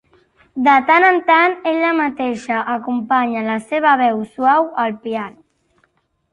De tant en tant ella mateixa acompanya la seva veu suau al piano.